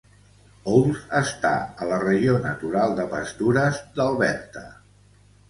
Olds està a la regió natural de pastures d'Alberta.